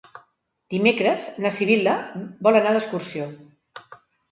Dimecres na Sibil·la vol anar d'excursió.